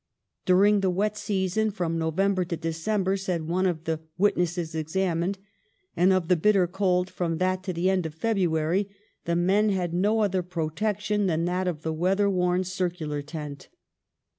"During the wet season, from November to December," said one of the witnesses examined, " and of the bitter cold from that to the end of February, the men had no other protection than that of the weather worn circular tent.